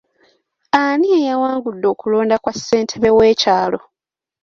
Ani eyawangudde okulonda kwa Ssentebe w'ekyalo?